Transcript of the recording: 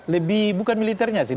lebih bukan militernya sih